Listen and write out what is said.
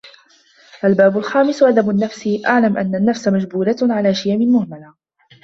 الْبَابُ الْخَامِسُ أَدَبُ النَّفْسِ اعْلَمْ أَنَّ النَّفْسَ مَجْبُولَةٌ عَلَى شِيَمٍ مُهْمَلَةٍ